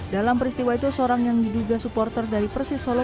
dalam peristiwa itu seorang yang diduga supporter dari persis solo